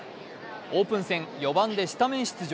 オープン戦、４番でスタメン出場。